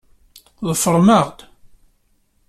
Ḍefṛem-aɣ-d!